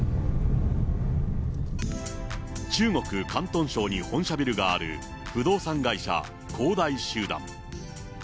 中国・広東省に本社ビルがある不動産会社、恒大集団。